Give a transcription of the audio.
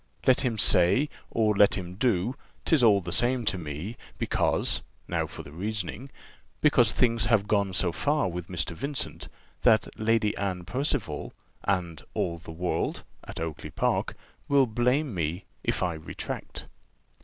Let him say, or let him do, 'tis all the same to me because (now for the reasoning) because things have gone so far with Mr. Vincent, that Lady Anne Percival and all the world (at Oakly park) will blame me, if I retract.